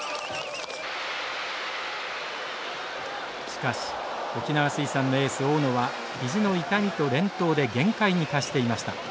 しかし沖縄水産のエース大野は肘の痛みと連投で限界に達していました。